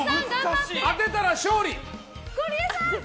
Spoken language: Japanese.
当てたら勝利。